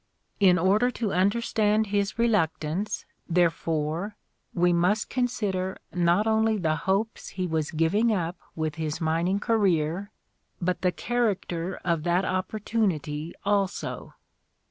In order to imderstand his reluctance, therefore, we must consider not only the hopes he was giving up with his mining career but the character of that opportunity also.